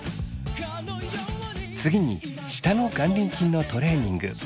次に下の眼輪筋のトレーニング。